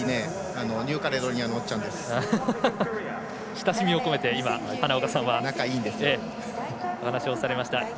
親しみを込めて花岡さんがお話されました。